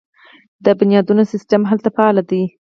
د بنیادونو سیستم هلته فعال دی.